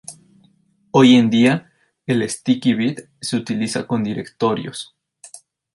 Hoy en día, el sticky bit se utiliza con directorios.